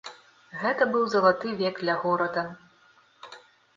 Гэта быў залаты век для горада.